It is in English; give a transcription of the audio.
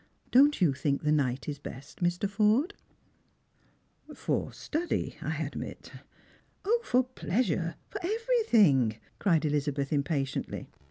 Don't you think the night is best, Mr. Forde ?"" For study, I admit." " 0, for pleasure, for everything !" cried Elizabeth impatiently.